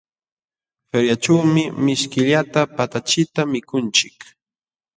Feriaćhuumi mishkillata patachita mikunchik.